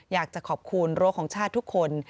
อยากจะขอบคุณรั้วของชาติทุกคน